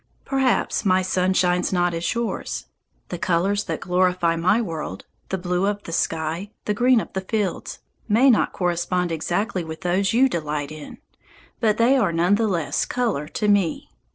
Perhaps my sun shines not as yours. The colours that glorify my world, the blue of the sky, the green of the fields, may not correspond exactly with those you delight in; but they are none the less colour to me.